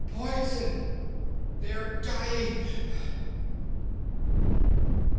"Poison! They're dying!"